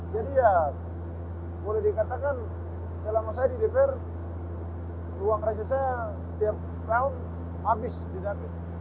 jadi ya boleh dikatakan selama saya di dpr ruang reses saya tiap tahun habis di dpr